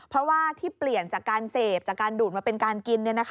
เพราะว่าที่เปลี่ยนจากการเสพจากการดูดมาเป็นการกิน